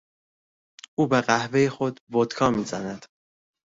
او به قهوهی خود ودکا میزند.